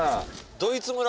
ドイツ村？